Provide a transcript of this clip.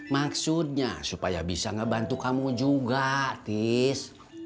maksudnya supaya bisa ngebantu kamu juga tis